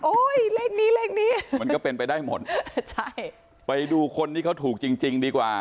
เลขนี้เลขนี้มันก็เป็นไปได้หมดใช่ไปดูคนที่เขาถูกจริงจริงดีกว่า